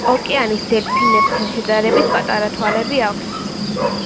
ოკეანის დელფინებთან შედარებით პატარა თვალები აქვს.